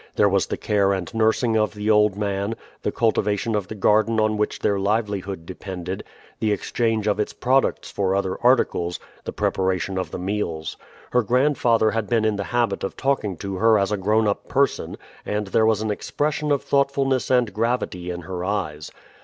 There was the care and nursing of the old man, the cultivation of the garden on which their livelihood depended, the exchange of its products for other articles, the preparation of the meals. Her grandfather had been in the habit of talking to her as a grown up person, and there was an expression of thoughtfulness and gravity in her eyes.